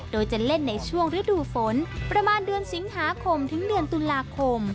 โดยจะเล่นในช่วงฤดูฝนประมาณเดือนสิงหาคมถึงเดือนตุลาคม